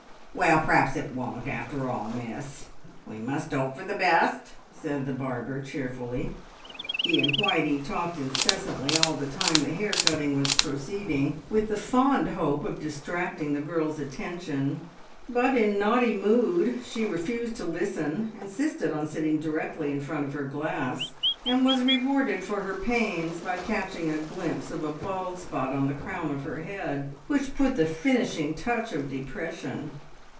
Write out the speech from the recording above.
"Well, p'r'aps it won't, after all, miss! We must 'ope for the best," said the barber cheerfully. He and Whitey talked incessantly all the time the hair cutting was proceeding, with the fond hope of distracting the girl's attention; but in naughty mood she refused to listen, insisted on sitting directly in front of her glass, and was rewarded for her pains by catching a glimpse of a bald spot on the crown of her head, which put the finishing touch of depression.